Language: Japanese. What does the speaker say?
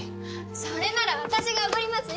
それなら私がおごりますよ！